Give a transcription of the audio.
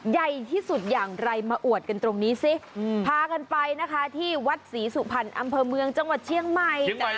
ใหญ่ที่สุดอย่างไรมาอวดกันตรงนี้สิพากันไปนะคะที่วัดศรีสุพรรณอำเภอเมืองจังหวัดเชียงใหม่